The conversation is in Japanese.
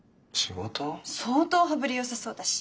相当羽振りよさそうだし。